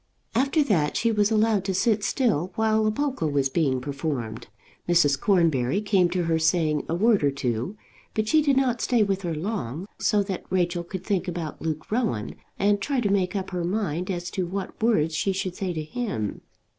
After that she was allowed to sit still while a polka was being performed. Mrs. Cornbury came to her saying a word or two; but she did not stay with her long, so that Rachel could think about Luke Rowan, and try to make up her mind as to what words she should say to him.